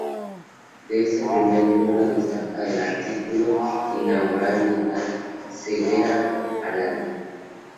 De este primer número destaca el artículo inaugural de la "ceguera a la luz".